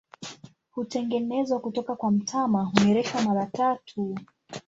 Hutengenezwa kutoka kwa mtama, hunereshwa mara tatu.